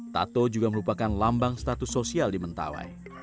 tato juga merupakan lambang status sosial di mentawai